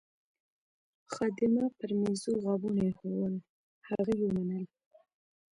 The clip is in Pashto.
خادمه پر میزو غابونه ایښوول، هغه یې ومنل.